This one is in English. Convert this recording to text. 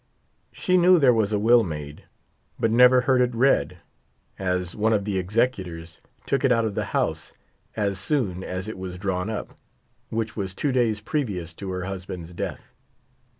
She knew there was a will made, but never heard it read, as one of the executors took it out of the house as soon as it was drawn up — which was two days previous to her husband's death.